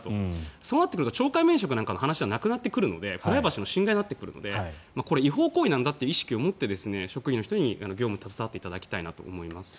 そうなってくると懲戒免職という話ではなくなってくるのでプライバシーの侵害になってくるのでこれは違法行為なんだという意識を持って職員の人に業務に携わっていただきたいなと思います。